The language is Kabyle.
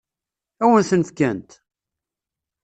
Ad wen-ten-fkent?